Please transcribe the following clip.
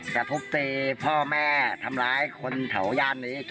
ถ้าพกตีพ่อแม่ทำร้ายคนขีดแถวนี้สุด